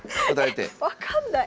分かんない。